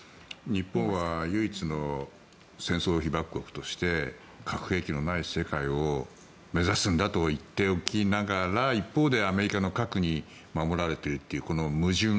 日本は唯一の戦争被爆国として核兵器のない世界を目指すんだと言っておきながら一方でアメリカの核に守られているというこの矛盾。